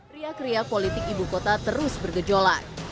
ria ria politik ibu kota terus bergejolak